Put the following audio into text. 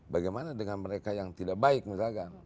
bagaimana dengan mereka yang tidak baik misalkan